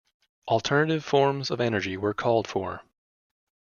Alternative forms of energy were called for.